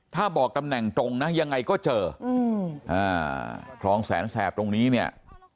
ถ้าบอกตำแหน่งตรงนะยังไงก็เจอคลองแสนแสบตรงนี้เนี่ย